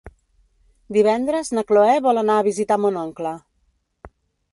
Divendres na Cloè vol anar a visitar mon oncle.